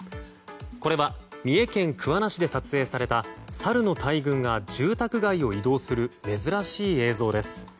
これは三重県桑名市で撮影されたサルの大群が住宅街を移動する珍しい映像です。